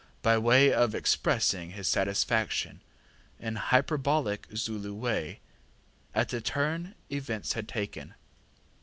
by way of expressing his satisfaction, in his hyperbolical Zulu way, at the turn events had taken.